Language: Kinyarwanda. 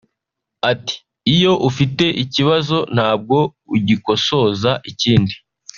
Ati "Iyo ufite ikibazo ntabwo ugikosoza ikindi